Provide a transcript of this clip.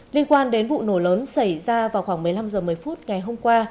liên quan đến vụ nổ lớn xảy ra vào khoảng một mươi năm h một mươi phút ngày hôm qua